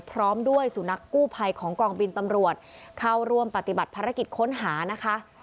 พร้อมด้วยสุนัขกู้ภัยของกองบินตำรวจเข้าร่วมปฏิบัติภารกิจค้นหานะคะ